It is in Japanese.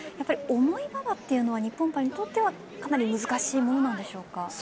重い馬場というのは日本馬にとってはかなり難しいものなんでしょうか？